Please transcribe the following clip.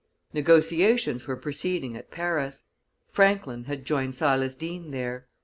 Negotiations were proceeding at Paris; Franklin had joined Silas Deane there.